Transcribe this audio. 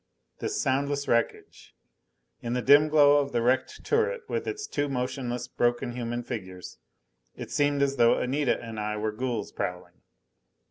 This soundless wreckage! In the dim glow of the wrecked turret with its two motionless, broken human figures, it seemed as though Anita and I were ghouls prowling.